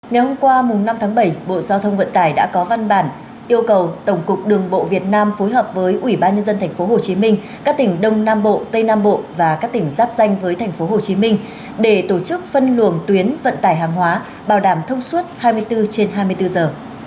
ngày hôm qua năm tháng bảy bộ giao thông vận tải đã có văn bản yêu cầu tổng cục đường bộ việt nam phối hợp với ủy ban nhân dân tp hcm các tỉnh đông nam bộ tây nam bộ và các tỉnh giáp danh với tp hcm để tổ chức phân luồng tuyến vận tải hàng hóa bảo đảm thông suốt hai mươi bốn trên hai mươi bốn giờ